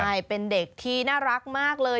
ใช่เป็นเด็กที่น่ารักมากเลย